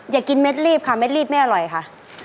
อย่ากินเม็ดรีบค่ะเม็ดรีบไม่อร่อยค่ะ